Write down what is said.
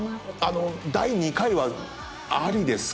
あの第２回はありですか？